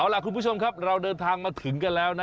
เอาล่ะคุณผู้ชมครับเราเดินทางมาถึงกันแล้วนะ